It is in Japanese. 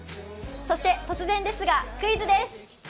突然ですがクイズです。